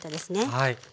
はい。